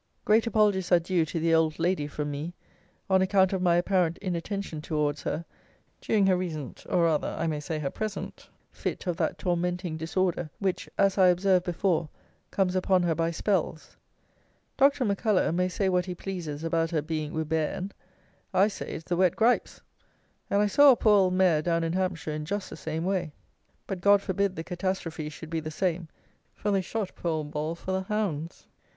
Great apologies are due to the OLD LADY from me, on account of my apparent inattention towards her, during her recent, or rather, I may say, her present, fit of that tormenting disorder which, as I observed before, comes upon her by spells. Dr. M'CULLOCH may say what he pleases about her being "wi' bairn." I say it's the wet gripes; and I saw a poor old mare down in Hampshire in just the same way; but God forbid the catastrophe should be the same, for they shot poor old Ball for the hounds.